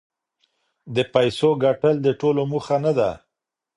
د پیسو ګټل د ټولو موخه نه ده.